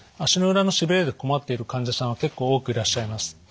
足の裏のしびれで困っている患者さんは結構多くいらっしゃいます。